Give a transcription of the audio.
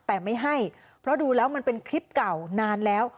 แต่ไม่ให้เพราะดูแล้วมันเป็นคลิปเก่านานแล้ว